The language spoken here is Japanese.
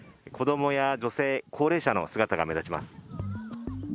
子供や女性、高齢者の姿が目立ちます。